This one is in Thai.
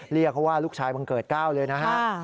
เรียกเขาว่าลูกชายบังเกิดก้าวเลยนะครับ